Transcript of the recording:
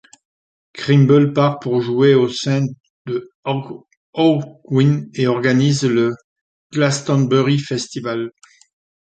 Crimble part pour jouer au sein de Hawkwind et organise le Glastonbury Festival.